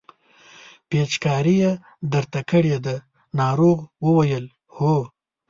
پېچکاري یې درته کړې ده ناروغ وویل هو.